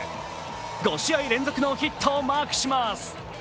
５試合連続のヒットをマークします。